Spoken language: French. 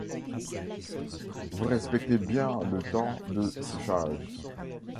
vous respectez bien le temps de séchage